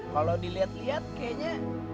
kalo dilihat lihat kayaknya